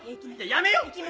やめよう！